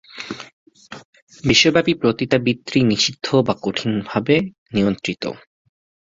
বিশ্বব্যাপী পতিতাবৃত্তি নিষিদ্ধ বা কঠিন ভাবে নিয়ন্ত্রিত।